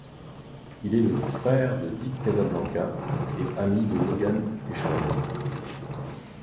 Il est le frère de Dick Casablancas et ami de Logan Echolls.